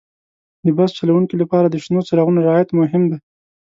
د بس چلوونکي لپاره د شنو څراغونو رعایت مهم دی.